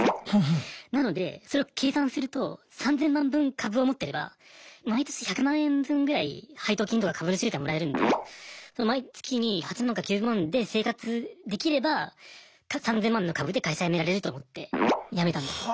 なのでそれを計算すると３０００万分株を持ってれば毎年１００万円分ぐらい配当金とか株主優待もらえるんで毎月に８万か９万で生活できれば３０００万の株で会社辞められると思って辞めたんですよ。